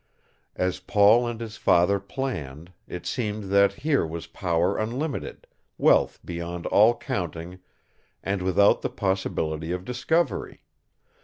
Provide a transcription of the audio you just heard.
As Paul and his father planned, it seemed that here was power unlimited, wealth beyond all counting and without the possibility of discovery.